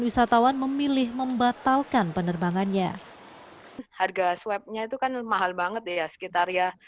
wisatawan memilih membatalkan penerbangannya harga swabnya itu kan mahal banget ya sekitar ya